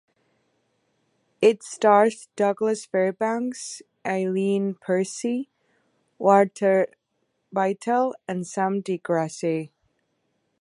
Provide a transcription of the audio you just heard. It stars Douglas Fairbanks, Eileen Percy, Walter Bytell and Sam De Grasse.